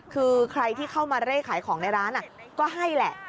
คือใครที่เข้ามาเร่ขายของในร้านก็ให้แหละ